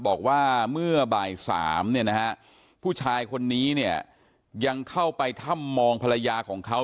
บอกว่าเมื่อบ่าย๓เนี่ยนะฮะผู้ชายคนนี้เนี่ยยังเข้าไปถ้ำมองภรรยาของเขา